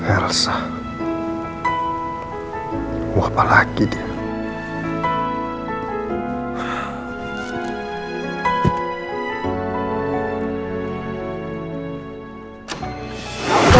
elsa mau apa lagi dia